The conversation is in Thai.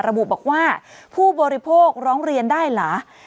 ระบุบอกว่าผู้บริโภคร้องเรียนได้เหรอ